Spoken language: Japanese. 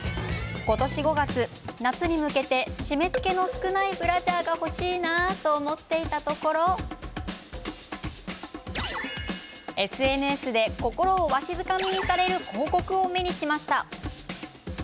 今年５月、夏に向けて締めつけの少ないブラジャーが欲しいなと思っていたところＳＮＳで心をわしづかみにされる広告を目にしました。